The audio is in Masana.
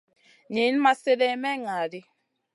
Niyn ma slèdeyn may ŋa ɗi.